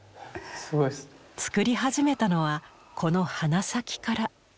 作り始めたのはこの鼻先から。